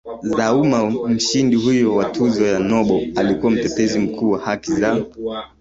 za ummaMshindi huyo wa tuzo ya Nobel alikuwa mtetezi mkuu wa haki za